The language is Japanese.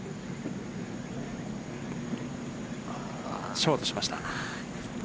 ショートしました。